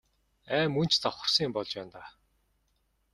Ай мөн ч завхарсан юм болж байна даа.